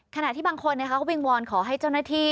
ขณะที่บางคนก็วิงวอนขอให้เจ้าหน้าที่